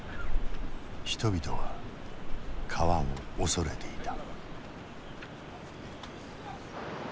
人々は川を恐れていた。